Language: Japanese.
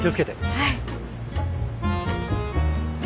はい。